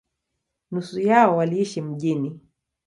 Nusu yao waliishi mjini.